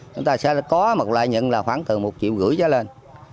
chúng ta sẽ có một lợi nhận là khoảng từ một triệu gửi cho lên